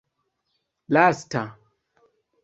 lasta